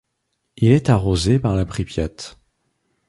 Il est arrosé par la Pripiat.